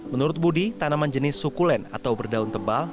menurut budi tanaman jenis sukulen atau berdaun tebal